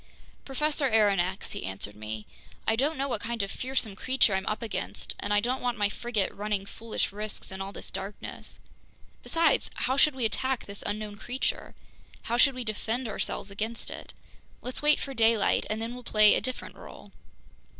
"Professor Aronnax," he answered me, "I don't know what kind of fearsome creature I'm up against, and I don't want my frigate running foolish risks in all this darkness. Besides, how should we attack this unknown creature, how should we defend ourselves against it? Let's wait for daylight, and then we'll play a different role."